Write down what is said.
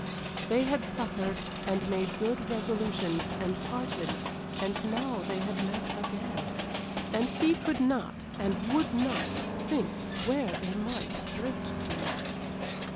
They had suffered, and made good resolutions, and parted, and now they had met again. And he could not, and would not, think where they might drift to.